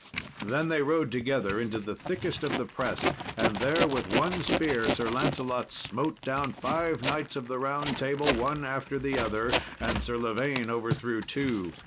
Then they rode together into the thickest of the press, and there, with one spear, Sir Lancelot smote down five Knights of the Round Table, one after other, and Sir Lavaine overthrew two.